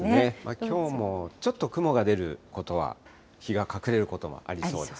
きょうもちょっと雲が出ることは、日が隠れることもありそうです。